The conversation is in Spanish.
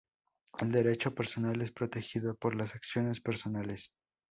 El derecho personal es protegido por las acciones personales.